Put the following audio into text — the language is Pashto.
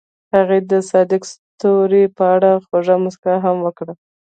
هغې د صادق ستوري په اړه خوږه موسکا هم وکړه.